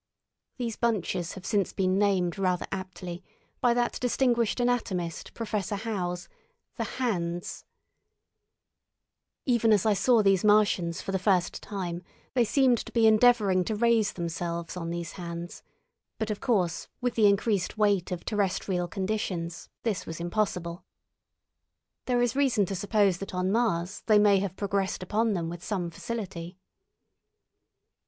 These bunches have since been named rather aptly, by that distinguished anatomist, Professor Howes, the hands. Even as I saw these Martians for the first time they seemed to be endeavouring to raise themselves on these hands, but of course, with the increased weight of terrestrial conditions, this was impossible. There is reason to suppose that on Mars they may have progressed upon them with some facility.